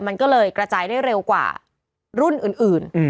มันก็เลยกระจายได้เร็วกว่ารุ่นอื่น